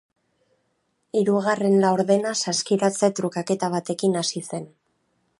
Hirugarren laurdena saskiratze trukaketa batekin hasi zen.